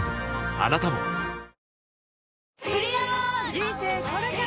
あなたも人生これから！